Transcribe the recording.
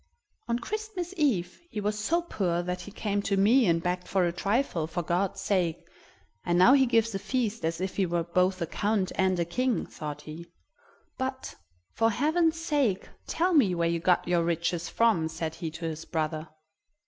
"On Christmas Eve he was so poor that he came to me and begged for a trifle, for God's sake, and now he gives a feast as if he were both a count and a king!" thought he. "But, for heaven's sake, tell me where you got your riches from," said he to his brother.